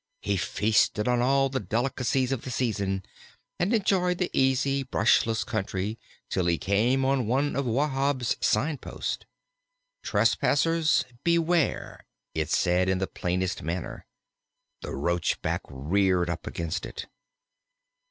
He feasted on all the delicacies of the season, and enjoyed the easy, brushless country till he came on one of Wahb's sign posts. "Trespassers beware!" it said in the plainest manner. The Roachback reared up against it.